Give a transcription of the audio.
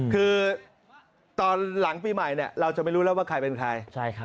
คือตอนหลังปีใหม่เราจะไม่รู้แล้วว่าใครเป็นใคร